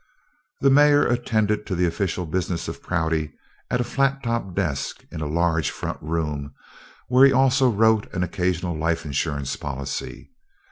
The mayor attended to the official business of Prouty at a flat top desk in a large front room where he also wrote an occasional life insurance policy.